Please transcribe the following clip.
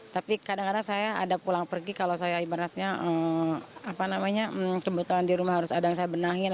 tapi kadang kadang saya ada pulang pergi kalau saya ibaratnya kebetulan di rumah harus ada yang saya benahin